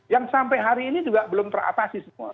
yang sampai hari ini juga belum teratasi semua